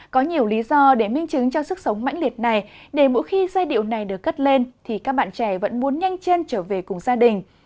có nhiều lý do để minh chứng cho sức sống mãnh liệt này để mỗi khi giai điệu này được cất lên thì các bạn trẻ vẫn muốn nhanh chân trở về cùng gia đình